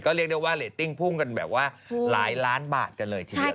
เรียกได้ว่าเรตติ้งพุ่งกันแบบว่าหลายล้านบาทกันเลยทีเดียว